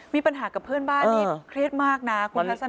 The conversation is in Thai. มีปัญหากับเพื่อนบ้านนี่เครียดมากนะคุณทัศน